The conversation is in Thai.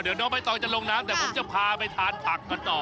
เดี๋ยวน้องใบตองจะลงน้ำแต่ผมจะพาไปทานผักกันต่อ